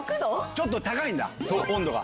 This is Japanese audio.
ちょっと高いんだ温度が。